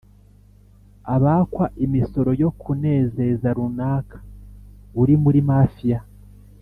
abakwa imisoro yo kunezeza runaka uri muri mafiya,